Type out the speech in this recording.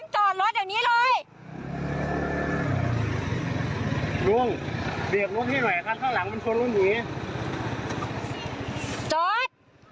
โจทย์